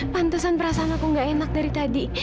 pantusan perasaan aku gak enak dari tadi